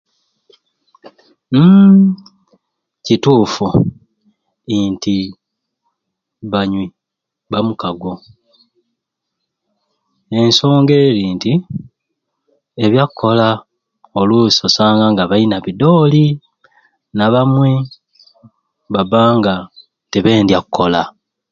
Hhhhm kituffu inti banywi bamukago ensonga eri nti ebyakola olusi osanga nga bayina bidooli nabamwei baba nga tibendya kukola.